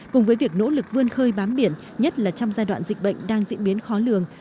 cùng với việc nỗ lực vươn khơi bám biển nhất là trong giai đoạn dịch bệnh đang diễn biến khó lường